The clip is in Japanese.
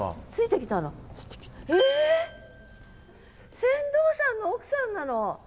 船頭さんの奥さんなの？